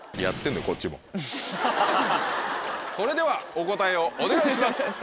それではお答えをお願いします。